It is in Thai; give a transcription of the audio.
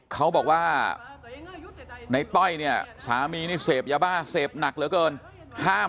เขาบอกว่าในต้อยเนี่ยสามีนี่เสพยาบ้าเสพหนักเหลือเกิน